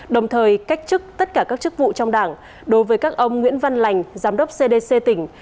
đồng thời cách chức tất cả các chức vụ trong đảng đối với các ông nguyễn văn lành giám đốc cdc tỉnh